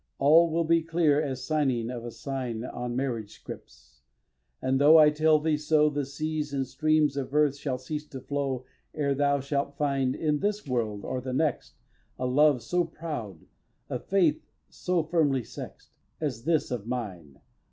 All will be clear as signing of a sign On marriage scrips; and, though I tell thee so, The seas and streams of earth shall cease to flow Ere thou shalt find, in this world or the next, A love so proud, a faith so firmly sex'd, As this of mine.